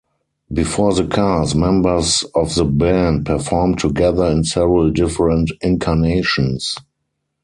Before the Cars, members of the band performed together in several different incarnations.